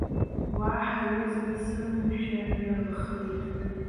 Уаҳа ҩыза дсымамшәа, иаӷахеит…